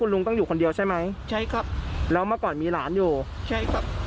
แล้วเมื่อก่อนมีหลานอยู่ใช่ครับ